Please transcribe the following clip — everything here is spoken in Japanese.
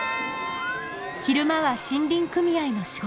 昼間は森林組合の仕事。